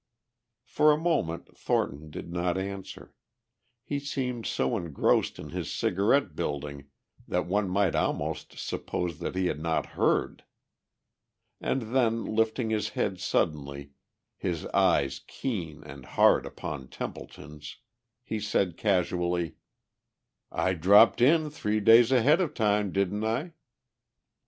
For a moment Thornton did not answer. He seemed so engrossed in his cigarette building that one might almost suppose that he had not heard. And then, lifting his head suddenly, his eyes keen and hard upon Templeton's, he said casually, "I dropped in three days ahead of time, didn't I?"